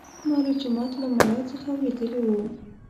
ما له جومات له ملا څخه اورېدلي وو.